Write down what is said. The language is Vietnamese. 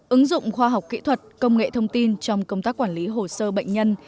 ứng dụng khoa học kỹ thuật công nghệ thông tin trong công tác quản lý hồ sơ bệnh nhân